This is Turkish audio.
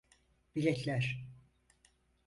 Biletler.